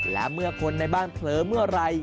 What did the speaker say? และเมื่อคนในบ้านเผลอเมื่อไหร่